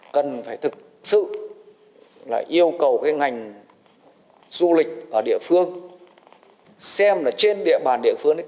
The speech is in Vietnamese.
cần phải thực sự yêu cầu ngành du lịch ở địa phương xem trên địa bàn địa phương